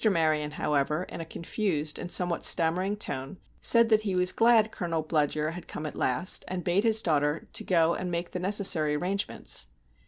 Maryon, however, in a confused and somewhat stammering tone, said that he was glad Colonel Bludyer had come at last, and bade his daughter go and make the necessary arrangements.